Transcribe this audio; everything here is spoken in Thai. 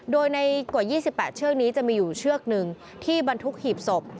โดยในกว่า๒๘เชือกนี้จะมีอยู่เชือกหนึ่งที่บรรทุกหีบศพ